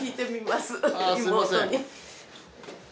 すみません。